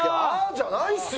じゃないっすよ！